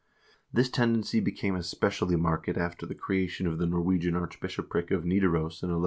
This tendency became especially marked after the creation of the Norwegian archbishopric of Nidaros in 1152.